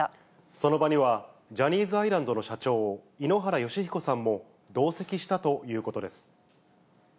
その場にはジャニーズアイランドの社長、井ノ原快彦さんも同席したということです。